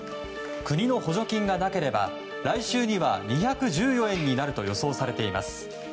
国の補助金がなければ来週には２１４円になると予想されています。